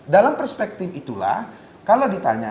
dalam perspektif itulah kalau ditanya